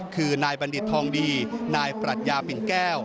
คือนายบัณฑิตทองดีนายปรัชญาปิ่นแก้ว